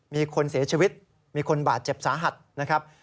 มีคนเสียชีวิตมีคนบาดเจ็บสาหัสนะครับ